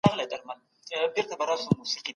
موږ په قطار کښي سم نه درېږو.